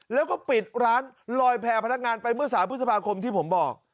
แล้วก็ปิดร้านลอยแพร่พนักงานไปเมื่อ๓พฤษภาคมที่ผมบอก